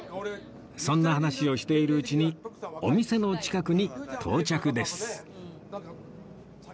そんな話をしているうちにお店の近くに到着です